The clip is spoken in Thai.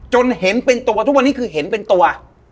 เห็นเป็นตัวทุกวันนี้คือเห็นเป็นตัว